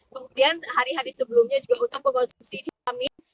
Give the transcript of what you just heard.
kemudian hari hari sebelumnya juga utang pengkonsumsi vitamin